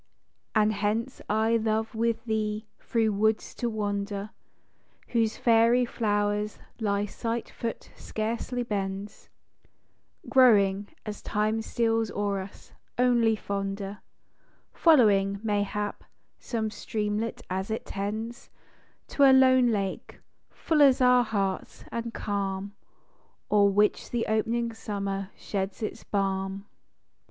And hence I love with thee through woods to wander, Whose fairy flowers thy slight foot scarcely bends, Growing, as time steals o'er us, only fonder, Following, mayhap, some streamlet as it tends To a lone lake â full as our hearts, and calm, O'er which the op'ning summer sheds its balm.